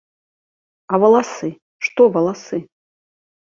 А валасы, што валасы?